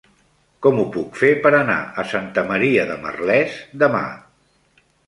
Com ho puc fer per anar a Santa Maria de Merlès demà?